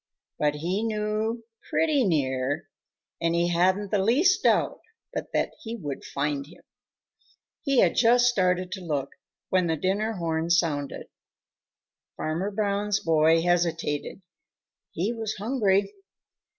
But he knew pretty near, and he hadn't the least doubt but that he would find him. He had just started to look when the dinner horn sounded. Farmer Brown's boy hesitated. He was hungry.